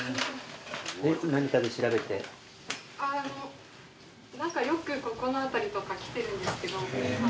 あのう何かよくここの辺りとか来てるんですけど。